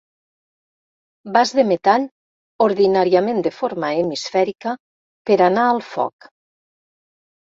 Vas de metall, ordinàriament de forma hemisfèrica, per a anar al foc.